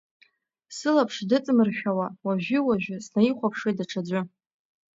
Сылаԥш дыҵмыршәауа, уажәы-уажә снаихәаԥшуеит даҽаӡәы.